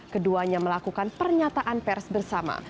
keduanya melakukan pernyataan pers bersama